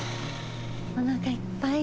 おなかいっぱい。